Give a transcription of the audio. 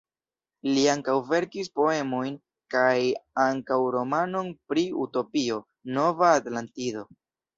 Li ankaŭ verkis poemojn kaj ankaŭ romanon pri utopio, Nova Atlantido.